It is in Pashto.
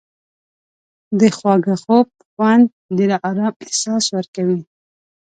د خواږه خوب خوند د آرام احساس ورکوي.